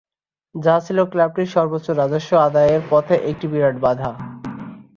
যা ছিল ক্লাবটির সর্বোচ্চ রাজস্ব আদায়ের পথে একটি বিরাট বাধা।